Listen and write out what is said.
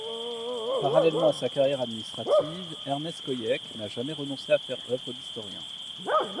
Parallèlement à sa carrière administrative, Ernest Coyecque n’a jamais renoncé à faire œuvre d’historien.